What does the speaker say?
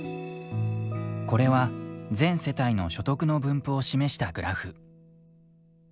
これは、全世帯の所得の分布を示したグラフ。